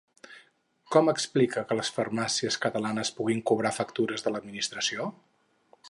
Com explica que les farmàcies catalanes puguin cobrar factures de l'administració?